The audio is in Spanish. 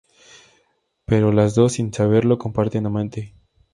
Pero las dos, sin saberlo, comparten amante.